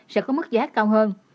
sẽ có mức giá cao hơn